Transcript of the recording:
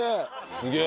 すげえ。